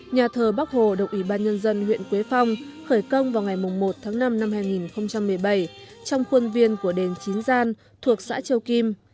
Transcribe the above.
nhà thờ bắc hồ được ủy ban nhân dân huyện quế phong khởi công vào ngày một tháng năm năm hai nghìn một mươi bảy trong khuôn viên của đền chín gian thuộc xã châu kim